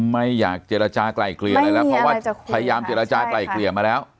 ไม่อยากเจรจากลายเกลี่ยอะไรแล้วเพราะว่าพยายามเจรจากลายเกลี่ยมาแล้ว